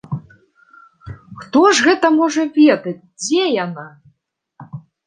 Хто ж гэта можа ведаць, дзе яна?